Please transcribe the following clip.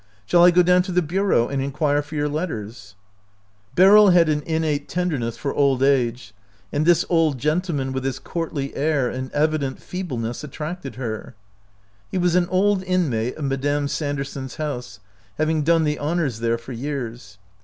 Shall I go down to the bureau and inquire for your letters ?" Beryl had an innate tenderness for old age, and this old gentleman with his courtly air and evident feebleness attracted her. He was an old inmate of Madame Sander son's house, having done the honors there for years.